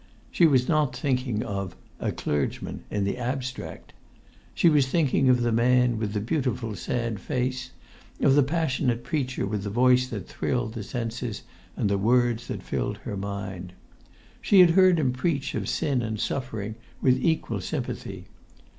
She was not thinking of "a clergyman" in the abstract. She was thinking of the man with the beautiful, sad face; of the passionate preacher with the voice that thrilled the senses and the words that filled the mind. She had heard him preach of sin and suffering with equal sympathy.